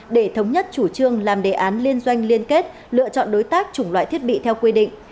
để thống nhất chủ trương làm đề án liên doanh liên kết lựa chọn đối tác chủng loại thiết bị theo quy định